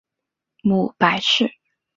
母白氏。